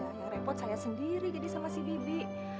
ya repot saya sendiri jadi sama si bibi